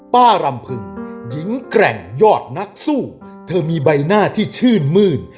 รำพึงหญิงแกร่งยอดนักสู้เธอมีใบหน้าที่ชื่นมื้น